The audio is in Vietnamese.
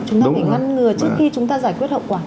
chúng tôi phải ngăn ngừa trước khi chúng ta giải quyết hậu quả